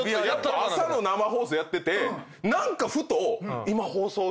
朝の生放送やってて何かふと。